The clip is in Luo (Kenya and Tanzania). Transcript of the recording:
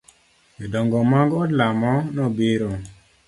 Jodongo mag odlamo no biro.